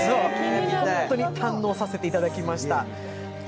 本当に堪能させていただきました。